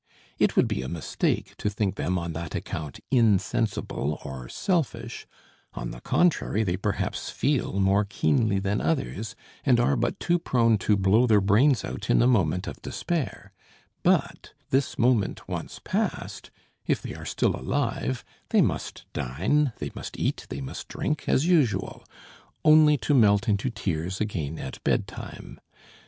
It would be a mistake to think them, on that account, insensible or selfish; on the contrary they perhaps feel more keenly than others and are but too prone to blow their brains out in a moment of despair; but, this moment once passed, if they are still alive, they must dine, they must eat, they must drink, as usual; only to melt into tears again at bed time.